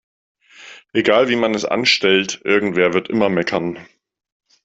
Egal wie man es anstellt, irgendwer wird immer meckern.